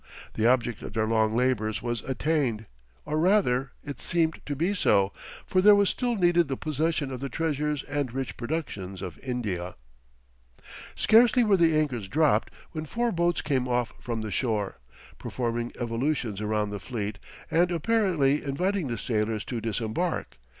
The object of their long labours was attained! Or rather, it seemed to be so, for there was still needed the possession of the treasures and rich productions of India. Scarcely were the anchors dropped when four boats came off from the shore, performing evolutions around the fleet, and apparently inviting the sailors to disembark.